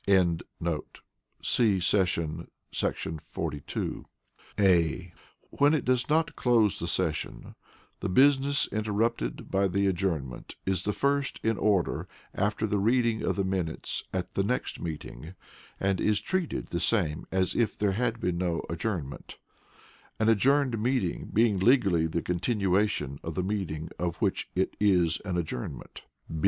] [see Session, § 42]: (a) When it does not close the session, the business interrupted by the adjournment is the first in order after the reading of the minutes at the next meeting, and is treated the same as if there had been no adjournment; an adjourned meeting being legally the continuation of the meeting of which it is an adjournment.